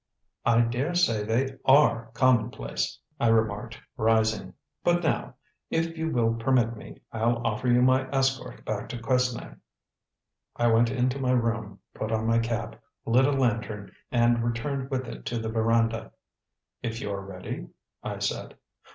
"I dare say they ARE commonplace," I remarked, rising. "But now, if you will permit me, I'll offer you my escort back to Quesnay." I went into my room, put on my cap, lit a lantern, and returned with it to the veranda. "If you are ready?" I said.